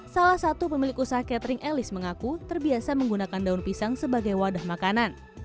salah satu pemilik usaha catering elis mengaku terbiasa menggunakan daun pisang sebagai wadah makanan